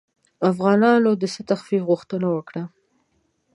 افغانانو د څه تخفیف غوښتنه وکړه.